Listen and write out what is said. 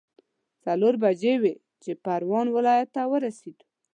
څلور بجې وې چې پروان ولايت ته ورسېدو.